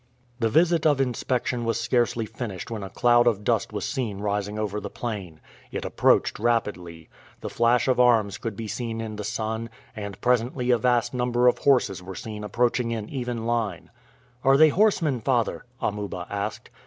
The visit of inspection was scarcely finished when a cloud of dust was seen rising over the plain. It approached rapidly. The flash of arms could be seen in the sun, and presently a vast number of horses were seen approaching in even line. "Are they horsemen, father?" Amuba asked.